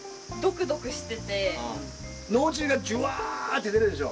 脳汁がジュワーって出るでしょ？